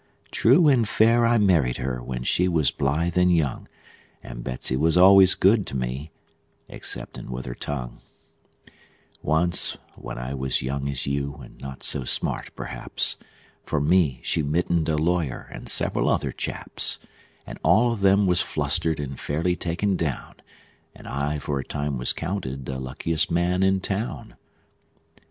True and fair I married her, when she was blithe and young; And Betsey was al'ays good to me, exceptin' with her tongue. [ image not found: CarleFarmB 19, CarleFarmB 19 ] Once, when I was young as you, and not so smart, perhaps, For me she mittened a lawyer, and several other chaps; And all of them was flustered, and fairly taken down, And I for a time was counted the luckiest man in town.